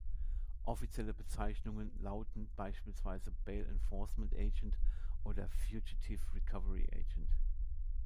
Offizielle Bezeichnungen lauten beispielsweise "Bail Enforcement Agent" oder "Fugitive Recovery Agent".